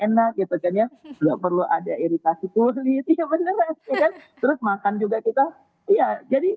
enak gitu kan ya belum perlu ada iritasi kulit ya beneran terus makan juga kita iya jadi